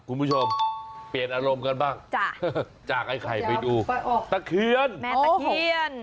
คุณผู้ชมเปลี่ยนอารมณ์กันบ้างจ้ะจากไอ้ไข่ไปดูตะเคียนแม่ตะเคียน